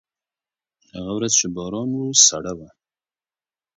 هغه ورځ چې باران و، سړه وه.